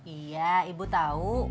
iya ibu tahu